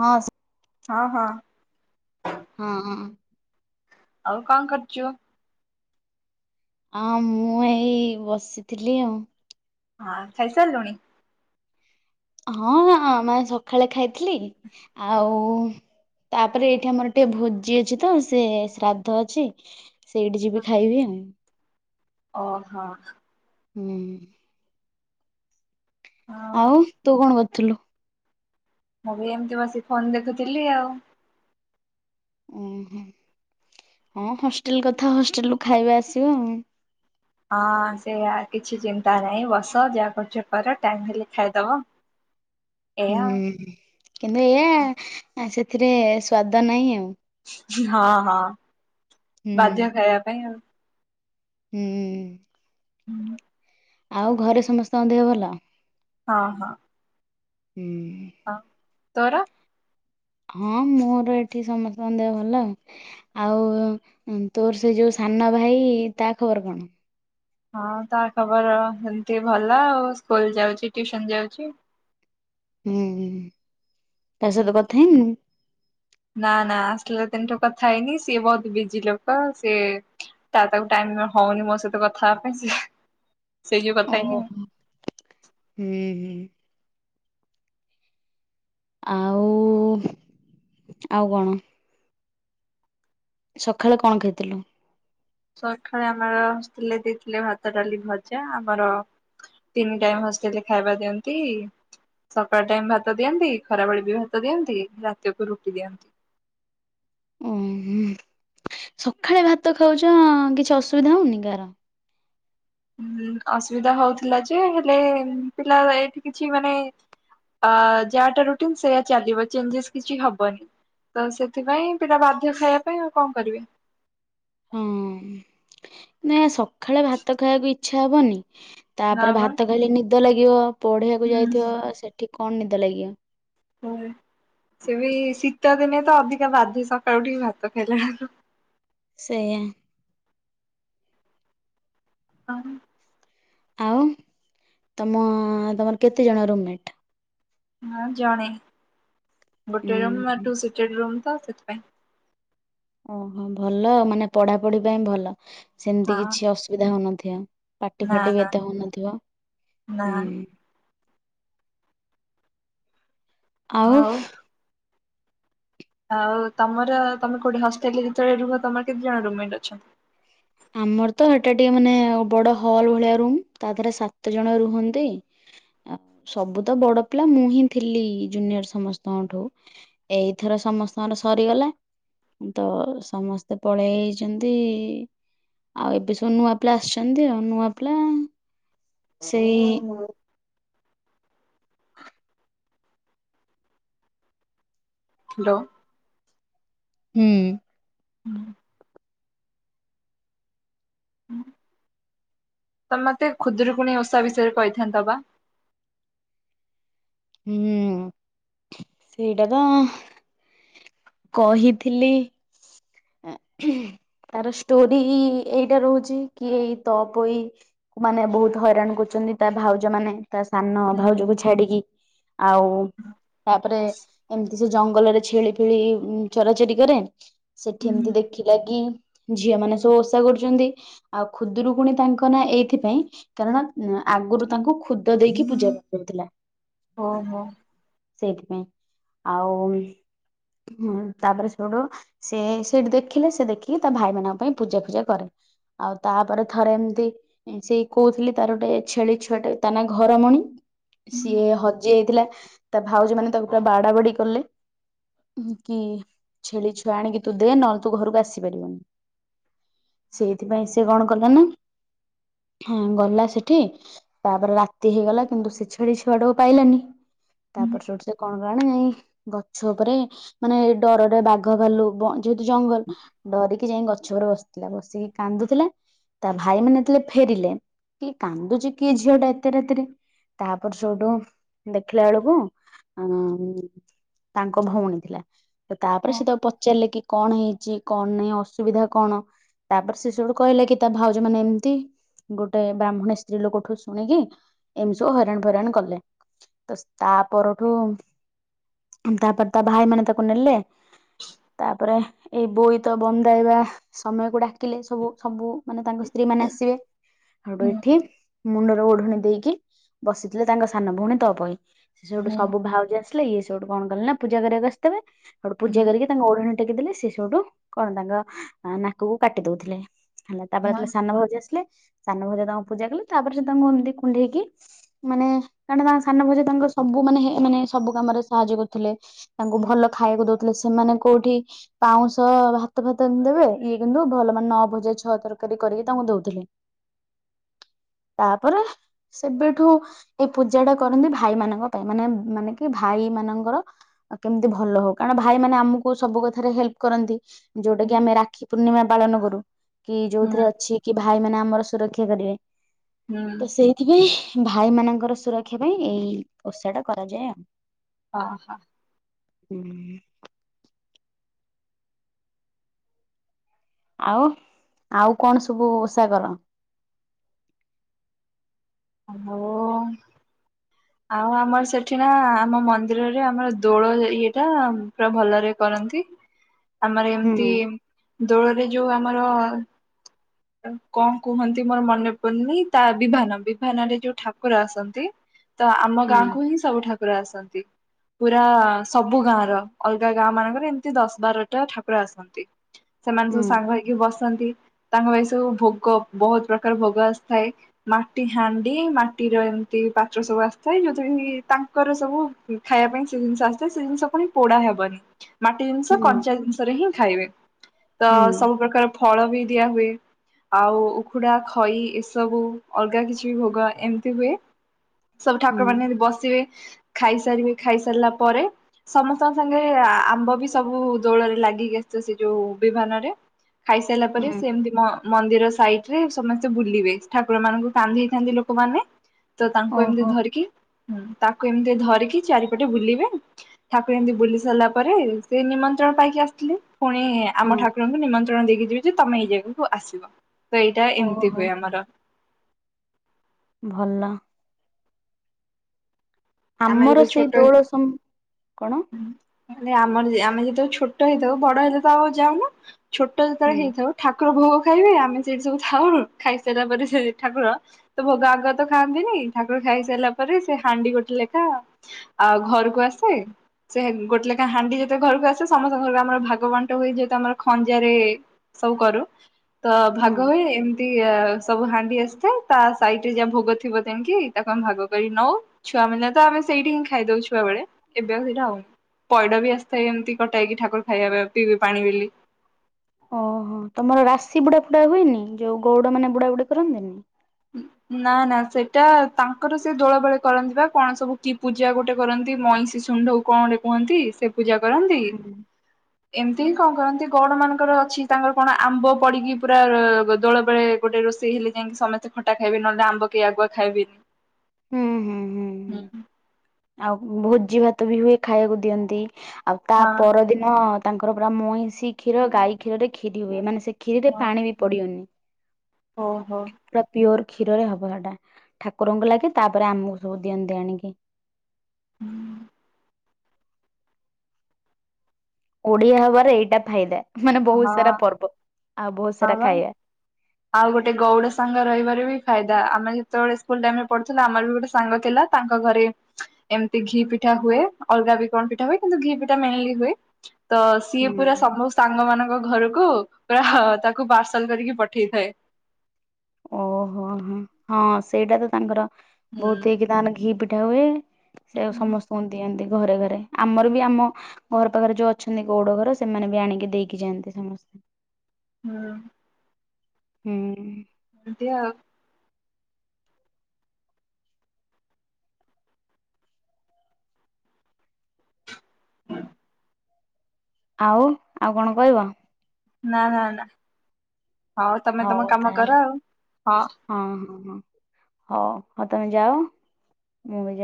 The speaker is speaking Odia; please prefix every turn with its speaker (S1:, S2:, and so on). S1: ହଁ
S2: ହଁ ହଁ
S1: ହଁ ହଁ
S2: ଆଉ କଣ କରୁଛୁ?
S1: ହଁ ମୁଁ ଏଇ ବସିଥିଲି ଆଉ।
S2: ହଁ ଖାଇସାରିଲୁଣି?
S1: ହଁ ହଁ ମାନେ ସକାଳେ ଖାଇଥିଲି ଆଉ ତାପରେ ଏଇଠି ଆମର ଟିକେ ଭୋଜି ଅଛି ତ ସେ ଶ୍ରାଦ୍ଧ ଅଛି ସେଇଠି ଯିବି ଖାଇବି ଆଉ,
S2: ଓହୋ
S1: ହୁଁ ଆଉ ତୁ କଣ କରୁଥିଲୁ?
S2: ମୁଁ ବି ଏମିତି ବସିି ଫୋନ ଦେଖୁଥିଲି ଆଉ।
S1: ଅହ, ହଁ ହଷ୍ଟେଲ କଥା ହଷ୍ଟେଲରୁ ଖାଇବା ଆସିବ ଆଉ
S2: ହଁ ସେଇଆ କିଛି ଚିନ୍ତା ନାହିଁ ବସ ଯାହା କରୁଛ କର ଟାଇମ ହେଲେ ଖାଇଦବ।
S1: [inaudible]
S2: ଏଇଆ ଆଉ
S1: ହୁଁ କିନ୍ତୁ ଏଇଆ ସେଥିରେ ସ୍ଵାଦ ନାହିଁ ଆଉ।
S2: ହଁ ହଁ
S1: ହୁଁ
S2: ବାଧ୍ୟ ଖାଇବା ପାଇଁ ଆଉ।
S1: ହୁଁ
S2: ହୁଁ
S1: ଆଉ ଘରେ ସମସ୍ତଙ୍କ ଦେହ ଭଲ?
S2: ହଁ ହଁ
S1: ହୁଁ
S2: ଆଉ ତୋର?
S1: ହଁ ମୋର ଏଠି ସମସ୍ତଙ୍କ ଦେହ ଭଲ ଆଉ। ଆଉ ତୋର ସେ ଯୋଉ ସାନ ଭାଇ ତା ଖବର କଣ?
S2: ହଁ ତା ଖବର ଏମତି ଭଲ ଆଉ ସ୍କୁଲ ଯାଉଛି, ଟିଉସନ ଯାଉଛି।
S1: ହୁଁ ତା ସହିତ କଥା ହେଇନୁ?
S2: ନା ନା ଆସିଲା ଦିନଠୁ କଥା ହେଇନି, ସିଏ ବହୁତ ବିଜି ଲୋକ ସିଏ ତା ତାକୁ ଟାଇମ ହଉନି ମୋ ସହିତ କଥାହବା ପାଇଁ ସିଏ
S1: ଓୋ ହୁଁ ଆଉ ଆଉ କଣ? ସକାଳୁ କଣ ଖାଇଥିଲୁ?
S2: ସକାଳେ ଆମର ହଷ୍ଟେଲରେ ଦେଇଥିଲେ ଭାତ ଡାଲି ଭଜା ଆମର ତିନି ଟାଇମ ହଷ୍ଟେଲରେ ଖାଇବା ଦିଅନ୍ତି। ସକାଳ ଟାଇମ ଭାତ ଦିଅନ୍ତି ଖରାବେଳେ ବି ଭାତ ଦିଅନ୍ତି ରାତିକୁ ରୁଟି ଦିଅନ୍ତି।
S1: ସକାଳେ ଭାତ ଖାଉଛ କିଛି ଅସୁବିଧା ହଉନି କାହାର
S2: ଅସୁବିଧା ହଉଥିଲା ଯେ ହେଲେ ପିଲା ଏଠି କିଛି ମାନେ ଅ ଯାହାଟା ରୁଟିନ ସେଇୟା ଚାଲିବ ଚେଞ୍ଜେସ କିଛି ହବନି। ତ ସେଥିପାଇଁ ପିଲା ବାଧ୍ୟ ଖାଇବା ପାଇଁ ଆଉ କଣ କରିବି।
S1: ହଁ ସକାଳେ ଭାତ ଖାଇବାକୁ ଇଛା ହବନି?
S2: ନା
S1: ତାପରେ
S2: ବା
S1: ଭାତ ଖାଇଲେ ନିଦ ଲାଗିବ ପଢେଇବାକୁ ଯାଇଥିବ ସେଠି କଣ ନିଦ ଲାଗିବ।
S2: ସେ ବି ଶୀତ ଦିନେ ତ ଅଧିକା ବାଧେ ସକାଳୁ ଉଠି ଭାତ ଖାଇଲେ।
S1: ସେଇ ୟା
S2: ହ
S1: ଆଉ ତମ ତମର କେତେ ଜଣ ରୁମ୍ ମେଟ।
S2: ହଁ ଜଣେ ଗୋଟେ ରୁମ
S1: ଉଁ
S2: ତ ସେଥିପାଇଁ।
S1: ଓହୋ ଭଲ ମାନେ ପଢାପଢି ପାଇଁ ଭଲ ସେମିତି
S2: ହଁ
S1: କିଛି ଅସୁବିଧା ହଉନଥିବ। ପାଟି
S2: ନା
S1: ଫାଟି ବି
S2: ନା
S1: ଏତେ ହଉନଥିବ
S2: ନା
S1: ହୁଁ ଆଉ?
S2: ଆଉ ତମର ତମେ କୋଉଠି ହଷ୍ଟେଲରେ ଯେତେବେଳେ ରୁହ ତମର କେତେ ଜଣ ରୁମ ମେଟ ଅଛନ୍ତି।
S1: ଆମର ତ ଏଟା ଟିକେ ମାନେ ବଡ ହଲ୍ ଭଳିଆ ରୁମ୍ ତା ଦେହେରେ ସାତ ଜଣ ରୁହନ୍ତି। ଆ ସବୁ ତ ବଡ ପିଲା ମୁଁ ହିଁ ଥିଲି ଜୁନିୟର ସମସ୍ତଙ୍କଠୁ। ଏଇଥର ସମସ୍ତଙ୍କର ସରିଗଲା। ତ ସମସ୍ତେ ପଳେଇ ଯାଇଛନ୍ତି। ଆଉ ଏବେ ସବୁ ନୂଆ ପିଲା ଆସିଛନ୍ତି ଆଉ ନୂଆ ପିଲା ସେଇ
S2: ହ୍ୟାଲୋ
S1: ହୁଁ।
S2: ତମେ ମତେ ଖୁଦରୁକୁଣୀ ଓଷା ବିଷୟରେ କହିଥାନ୍ତ ବା?
S1: ହୁଁ ସେଇଟା ତ କହିଥିଲି। ତାର ଷ୍ଟୋରି ଏଇଟା ରହୁଛି କି ଏଇ ତପୋଇ। ମାନେ ବହୁତ ହଇରାଣ କରୁଛନ୍ତି ତା ଭାଉଜ ମାନେ ତା ସାନ ଭାଉଜକୁ ଛା ଛାଡିକି ଆଉ ତାପରେ ଏମିତି ସେ ଜଙ୍ଗଲରେ ଛେଳି ଫେଳି ଚୋରାଚୋରି କରେ। ସେଠି ଏମିତି ଦେଖିଲା କିି ଝିଅ ମାନ ସବୁ ଓଷା କରୁଛନ୍ତି। ଆଉ ଖୁଦରୁକୁୁଣି ତାଙ୍କ ନା ଏଇଥିପାଇଁ କାରଣ ଆଗରୁ ତାଙ୍କୁ ଖୁଦ ଦେଇକି ପୂଜା କରୁଥିଲା।
S2: ଅ ହୋ।
S1: ସେଇଥିପାଇଁ ଆଉ ତାପରେ ସେଉଠୁ। ସେ ସେଠି ଦେଖିଲେ ସେ ଦେଖିକି ତା ଭାଇମାନଙ୍କ ପାଇଁ ପୂଜା ଫୂଜା କରେ। ଆଉ ତାପରେ ଥରେ ଏମିତି ସେଇ କହୁଥିଲି ତାର ଗୋଟେ ଛେଳି ଛୁଆଟେ ତା ନା ଘରମଣି। ସିଏ ହଜି ଯାଇଥିଲା ତା ଭାଉଜମାନେ ତାକୁ ବାଡା ବାଡି କଲେ। କି ଛେଳି ଛୁଆ ଆଣିକି ତୁ ଦେ ନହେଲେ ତୁ ଘରକୁ ଆସିପାରିବୁନି। ସେଇଥିପାଇଁ ସେ କଣ କଲା ନା ଗଲା ସେଠି ତାପରେ ରାତି ହେଇଗଲା କିନ୍ତୁ ସେ ଛେଳି ଛୁଆଟାକୁ ପାଇଲାନି।
S2: ହଁ
S1: ତାପରେ ସେଠୁ ସେ କଣ କଲା ନା ଯାଇ ଗଛ ଉପରେ ମାନେ ଡରରେ ବାଗ ଘ ଭାଲୁ ଯେହେତୁ ଜଙ୍ଗଲ ଡରିକି ଯାଇ ଗଛ ଉପରେ ବସିଥିଲା ବସିକି କାନ୍ଦୁଥିଲା। ତା ଭାଇ ମାନେ ଯେତେବେଳେ ଫେରିଲେ କଇଲେ କାନ୍ଦୁଚି କିଏ ଝିଅ ଟା ଏତେ ରାତିରେ। ତାପରେ ସଉଠୁ ଦେଖିଲା ବେଳକୁ ଅ ତାଙ୍କ ଭଉଣୀ ଥିଲା ତ ତାପରେ
S2: ହୁଁ
S1: ସେ ତ ରିଲେ କି କଣ ହେଇଛି କଣ ନାଇଁ ଅସୁବିଧା କଣ? ତାପରେ ସେ ସେଠୁ କହିଲା କି ତା ଭାଉଜ ମାନେ ଏମିତି ଗୋଟେ ବ୍ରାହ୍ମଣୀ ସ୍ତ୍ରୀ ଲୋକଠୁ ଶୁଣିକି ଏମିତି ସବୁ ହଇରାଣ ଫଇରାଣ କଲେ। ତ ତା ପରଠୁ ତାପରେ ତା ଭାଇ ମାନ ତାକୁ ନେଲେ ତାପରେ ଏଇ ବୋଇ ତ ବନ୍ଦାଇବା ସମୟକୁ ଡାକିଲେ ସବୁ ସବୁ ମାନେ ତାଙ୍କ ସ୍ତ୍ରୀ ମାନେ ଆସିବେ
S2: ହୁଁ
S1: ଏଠି ମୁଣ୍ଡର ଓଢଣୀ ଦେଇକି ବସିଥିଲେ ତାଙ୍କ ସାନ ଭଉଣୀ ତଅପୋଇ ସେ ସେଠୁ
S2: ହୁଁ
S1: ସବୁ ଭାଉଜ ଆ ଲେ ଇଏ ସେଠୁ କଣ କଲେ ନା ପୂଜା କରିବାକୁ ଆସିଥିବେ ଏଠୁ ପୂଜା କରିକି ଓଢ଼ଣା ଟେକି ଦେଲେ ସେ ସେଠୁ କଣ ତାଙ୍କ ନାକକୁ କାଟି ଦଉଥିଲେ। ହେଲା ତାପରେ
S2: ହଁ
S1: ଯେତେଳେ ସାନ ଭାଉଜ ଆସିଲେ ସାନ ଭାଉଜ ତାଙ୍କୁ ପୂଜା କଲେ ତାପରେ ସେ ତାଙ୍କୁ ଏମିତି କୁଣ୍ଢେଇକି ମାନେ କାରଣ ତାଙ୍କ ସାନ ଭାଉଜ ତାଙ୍କର ସବୁ ମାନେ ମାନେ ସବୁ କାମରେ ସାହାଯ୍ୟ କରୁଥିଲେ। ତାଙ୍କୁ ଭଲ ଖାଇବାକୁ ଦଉଥିଲେ। ସେମାନେ କୋଉଠି ପାଉଁଶ ଭାତ ଫାତ ଦେବେ ଇଏ କିନ୍ତୁ ଭଲ ମାନେ ନ ଭଜା ଛଅ ତରକାରୀ କରିକି ତାଙ୍କୁ ଦଉଥିଲେ। ତାପରେ ସେବେଠୁ ଏଇ ପୂଜା ଟା କରନ୍ତି ଭାଇ ମାନଙ୍କ ପାଇଁ ମାନେ ମାନେ କି ଭାଇ ମାନଙ୍କର ଆଉ କେମିତି ଭଲ ହଉ କାରଣ ଭାଇ ମାନେ ଆମକୁ କୁ ସବୁ କଥାରେ ହେଲ୍ପ କରନ୍ତି ଯୋଉଟା କି ଆମେ ରାକ୍ଷୀ ପୂର୍ଣ୍ଣିମା ପାଳନ କରୁ। କି
S2: ହୁଁ
S1: ଯୋଉଥିରେ ଅଛି କି ଭାଇ ମାନ ଆମର ସୁରକ୍ଷା କରିବେ।
S2: ହୁଁ
S1: ତ ସେଇ ଏଥିପାଇଁ ଭାଇ ମାନଙ୍କର ସୁରକ୍ଷା ପାଇଁ ଏଇ ଓଷା ଟା କରାଯାଏ ଆଉ।
S2: ଓହୋ।
S1: ହୁଁ। ଆଉ ଆଉ କଣ ସବୁ ଓଷା କର?
S2: [unintelligible] ଆଉ ଆମର ସେଠି ନା ଆମ ମନ୍ଦିରରେ ଆମର ଦୋଳ ଇଏଟା ପୁରା ଭଲରେ କରନ୍ତି।
S1: [unintelligible]
S2: ଆମର
S1: ହୁଁ
S2: ଏମିତି ଦୋଳରେ ଯୋଉ ଆମର କଣ କୁହନ୍ତି ମୋର ମନେ ପଡୁନି ତା ବିଭାନ ବିଭାନ ରେ ଯୋଉ ଠାକୁର ଆସନ୍ତି ତ ଆମ
S1: ହୁଁ
S2: ଗାଁକୁ ହିଁ ସବୁ ଠାକୁର ଆସନ୍ତି। ପୁରା ସବୁ ଗାଁ ର ଅଲଗା ଗାଁ ମାନଙ୍କରେ ଏମିତି ଦଶ ବାରଟା ଠାକୁର ଆସନ୍ତି। ସେମାନେ
S1: ହୁଁ
S2: ସବୁ ସାଙ୍ଗ ହେଇକି ବସନ୍ତି। ତାଙ୍କ ପାଇଁ ସବୁ ଭୋଗ ବହୁତ ପ୍ରକାର ଭୋଗ ଆସିଥାଏ। ମାଟି ହାଣ୍ଡି ମାଟିର ଏମିତି ପାତ୍ର ସବୁ ଆସିଥାଏ ଯୋଉଥିରେ କି ତାଙ୍କ ର ସବୁ ଖାଇବା ପାଇଁ ସେ ଜିନିଷ ଆସିଥାଏ ସେ ଜିନିଷ ପୁଣି ପୋଡା ହେବନି। ମାଟି ଜିନିଷ
S1: ହୁଁ
S2: କଞ୍ଚା ଜିନିଷରେ ହିଁ ଖାଇବେ ତ
S1: ହୁଁ
S2: ସବୁ ପ୍ରକାର ଫଳ ବି ଦିଆ ହୁଏ। ଆଉ ଉକୁୁଡ଼ା ଖଇ ଏସବୁ ଅଲଗା କିଛି ଭୋଗ ଏମିତି ହୁଏ। ସବୁ
S1: ହୁଁ
S2: ଠାକୁରମାନେ ବସିବେ ଖାଇସାରିବେ ଖାଇସାରିଲା ପରେ ସମସ୍ତଙ୍କ ସାଙ୍ଗେ ଆମ୍ବ ବି ସବୁ ଦୋଳରେ ଲାଗିକି ଆସିଥିବ ସେ ଯୋଉ ବିମାନରେ। ଖାଇ ସାରିଲା ପରେ
S1: ହୁଁ
S2: ସେ ଏମିତି ମ ମନ୍ଦିର ସାଇଟରେ ସମସ୍ତେ ବୁଲିବେ ଠାକୁର ମାନଙ୍କୁ କାନ୍ଧେଇଥାନ୍ତି ଲୋକମାନେ। ତ ତାଙ୍କୁ ଏମିତି
S1: ଓହୋ
S2: ଧରିକି ତାକୁ ଏମିତି ଧରିକି ଚାରିପଟେ ବୁଲିବେ। ଠାକୁର ଏମତି ବୁଲି ସାରିଲା ପରେ ସେ ନିମନ୍ତ୍ରଣ ପାଇକି ଆସିଥିଲେ। ପୁଣି
S1: ହଁ
S2: ଆମ ଠାକୁରଙ୍କୁ ନିମନ୍ତ୍ରଣ ଦେଇକି ଯିବ ଯେ ତମେ ଏଇ ଜାଗାକୁ ଆସିବ। ତ ଏଇଟା ଏମିତି
S1: ଓହୋ
S2: ହୁଏ ଆମର।
S1: ଭଲ।
S2: ଆମେ
S1: ଆମର
S2: ଯେତେ
S1: ସେଇ
S2: ଛୋଟ
S1: ଦୋଳ ସମ କଣ?
S2: ମାନେ ଆମର ଆମେ ଯେତେବେଳେ ଛୋଟ ହେଇଥାଉ ବଡ ହେଲେଥ ତ ଆଉ ଯାଉନୁ। ଛୋଟ ଯେତେବେଳେ
S1: ହୁଁ।
S2: ହେଇଥାଉ ଠାକୁର ଭୋଗ ଖାଇବେ ଆମେ ସେଇଠି ସବୁ ଥାଉ ଖାଇସାରିଲା ପରେ ସେ ଠାକୁର ତ ଭୋଗ ଆଗ ତ ଖାଆନ୍ତିନି ଠାକୁର ଖାଇ ସାରିଲା ପରେ ସେ ହାଣ୍ଡି ଗୋଟେ ଲେଖା ଆଉ ଘରକୁ ଆସେ। ସେ ଗୋଟେ ଲେଖା ହାଣ୍ଡି ଯେତେଳେ ଘରକୁ ଆସେ ସମସ୍ତଙ୍କ ଘର ଆମର ଭାଗ ବାଣ୍ଟ ହୁଏ ଯେତୁ ଆମର ଖଞ୍ଜାରେ ସବୁ କରୁ ତ
S1: ହୁଁ
S2: ଭାଗ ହୁଏ ଏମ ତ ଏ ସବୁ ହାଣ୍ଡି ଆସିଥାଏ ତା ସାଇଟରେ ଯାହା ଭୋଗ ଥିବ ତେଣିକି ତାକୁ ଆମେ ଭାଗ କରିକି ନଉ। ଛୁଆମାନେ ତ ଆମେ ସେଇଠି ହିଁ ଖାଇଦେଉ ଛୁଆବେଳେ ଏବେ ଆଉ ହେଇଟା ହଉ ପଇଡ ବି ଆସିଥାଏ ଏମିତି କଟା ହେଇକି ଠାକୁର ଖାଇବା ବି ରଖତି ପାଣି ବେଲି।
S1: ଓହୋ ତମର ରାଶି ବୁଡା ଫୁଡା ହୁଏନି ଯୋଉ ଗଉଡ ମାନେ ବୁଡା ବୁଡି କରନ୍ତିନି?
S2: ନା ନା ସେଟା ତାଙ୍କର ସେ ଦୋଳବେଳେ କରନ୍ତି ପା କଣ ସବୁ କି ପୂଜା ଗୋଟେ କରନ୍ତି ମଇଷି ତୁଣ୍ଡ କୁ କଣ ଗୋଟେ କୁହନ୍ତି ସେ ପୂଜା କରନ୍ତି।
S1: ହୁଁ।
S2: ଏମିତି କଣ କରନ୍ତି ଗଉଡ ମାନଙ୍କର ଅଛି ତାଙ୍କର କଣ ଆମ୍ବ ପଡିକି ପୁରା ଦୋଳ ବେଳେ ଗୋଟେ ରୋଷେଇ ହେଲେ ଯାଇକି ସମସ୍ତେ ଖଟା ଖାଇବେ ନହେଲେ ଆମ୍ବ କେହି ଆଗୁଆ ଖାଇବେନି।
S1: ହୁଁ ହୁଁ ହୁଁ। ହୁଁ
S2: ହୁଁଁ।
S1: ଆଉ ଭୋଜି ଭାତ ବି ହୁଏ ଖାଇବାକୁ ଦିଅନ୍ତି ଆଉ ତା
S2: ହଁ
S1: ପରଦିନ ହଁ ତାଙ୍କର ପୁରା ମଇଁଷି କ୍ଷୀର ଗାଈ କ୍ଷୀରରେ ଖିରି ହୁଏ ମାନେ ସେ କ୍ଷୀରିରେ ପାଣି ବି ପଡିଅନି।
S2: ଓହୋ।
S1: ପୁରା ପିଓର କ୍ଷୀରରେ ହବ ହେଟା ଠାକୁରଙ୍କୁ ଲାଗେ ତାପରେ ଆମକୁ ସବୁ ଦିଅନ୍ତି ଆଣିକି।
S2: ହୁଁ।
S1: ଓଡିଆ ହବାରେ ଏଇଟା ଫାଇଦା ମାନେ ବହୁତ
S2: ହଁ
S1: ସାରା ପର୍ବ ଆଉ ବହୁତ
S2: ହଁ
S1: ସାରା
S2: ବା
S1: ଖାଇବା।
S2: ଆଉ ଗୋଟେ ଗଉଡ ସାଙ୍ଗ ରହିବାରେ ବି ଫାଇଦା ଆମେ ଯେତେବେଳେ ସ୍କୁଲ ଟାଇମ ରେ ପଢୁଥିଲୁ ଆମର ବି ଗୋଟେ ସାଙ୍ଗ ଥିଲା। ତାଙ୍କ ଘରେ ଏମତି ଘି ପିଠା ହୁଏ ଅଲଗା ବି କଣ ପିଠା ହୁଏ କିନ୍ତୁ ଘି ପିଠା ମେନଲି ହୁଏ। ତ ସିଏ
S1: ହୁଁ।
S2: ପୁରା ସବୁ ସାଙ୍ଗ ମାନଙ୍କ ଘରକୁ ପୁରା ତାକୁ ପାର୍ସଲ କରିକି ପଠ ଠେ଼ଇଥାଏ।
S1: ଓହୋ ହୋ ହଁ ସେଇଟା ତ ତାଙ୍କର
S2: ହୁଁ
S1: ବହୁତ ହେଇକି ତାଙ୍କର ଘି ପିଠା ହୁଏ। ସେଇଆକୁ ସମସ୍ତଙ୍କୁ ଦିଅନ୍ତି ଘରେ ଘରେ। ଆମର ବି ଆମ ଘର ପାଖରେ ଯୋଉ ଅଛନ୍ତି ଗଉଡ ଘର ସେମାନେ ବି ଆଣିକି ଦେଇକି ଯାଆନ୍ତି ସମସ୍ତେ।
S2: ହୁଁ।
S1: ହୁଁ।
S2: ହେନ୍ତି ଆଉ।
S1: ଆଉ ଆଉ କଣ କଇବ?
S2: ନା ନା ନା ହଉ ତମେ ତମ କାମ କର ଆଉ ହଁ।
S1: ହଁ ହଁ ହଁ ହଉ ହଉ ତମେ ଯାଅ ମୁଁ ବି ଯା